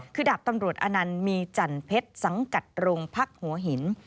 คือดาบตำรวจอนันต์มีจันเพชรสังกัดโรงพักหัวหิน